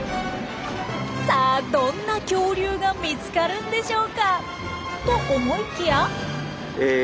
さあどんな恐竜が見つかるんでしょうかと思いきや！